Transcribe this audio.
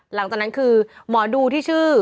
หลังจากนั้นคือหมอดูที่ชื่อ